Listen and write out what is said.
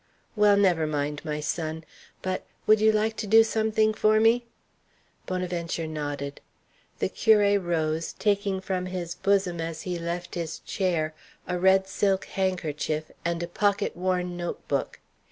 Well, never mind, my son. But would you like to do something for me?" Bonaventure nodded. The curé rose, taking from his bosom as he left his chair a red silk handkerchief and a pocket worn note book.